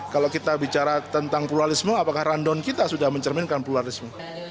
kalau kita bicara tentang pluralisme apakah rundown kita sudah mencerminkan pluralisme